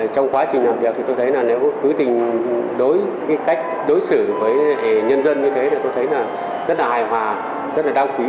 trong quá trình làm việc thì tôi thấy là nếu cứ tình cách đối xử với nhân dân như thế thì tôi thấy là rất là hài hòa rất là đáng quý